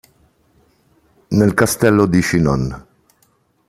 Nel castello di Chinon.